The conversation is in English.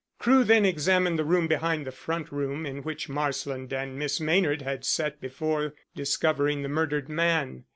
Crewe then examined the room behind the front room in which Marsland and Miss Maynard had sat before discovering the murdered man.